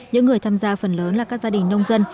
những người tham gia phần lớn là các gia đình nông dân